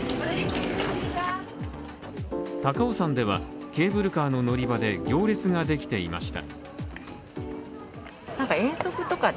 高尾山では、ケーブルカー乗り場で行列ができていました。